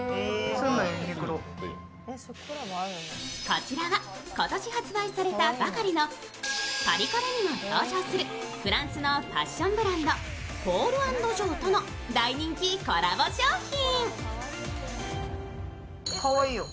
こちらは今年発売されたばかりのパリコレにも登場するフランスのファッションブランドポール＆ジョーとの大人気コラボ商品。